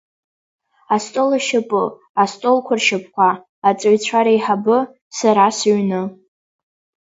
Астол ашьапы, астолқәа ршьапқәа, аҵаҩцәа реиҳабы, сара сыҩны.